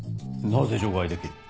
なぜ除外できる？